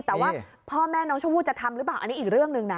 แต่ว่าพ่อแม่น้องชมพู่จะทำหรือเปล่าอันนี้อีกเรื่องหนึ่งนะ